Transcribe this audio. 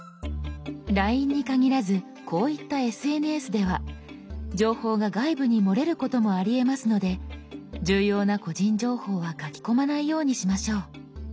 「ＬＩＮＥ」に限らずこういったＳＮＳでは情報が外部に漏れることもありえますので重要な個人情報は書き込まないようにしましょう。